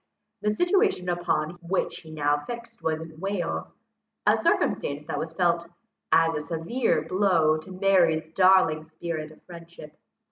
The situation upon which he now fixed was in Wales, a circumstance that was felt as a severe blow to Mary's darling spirit of friendship.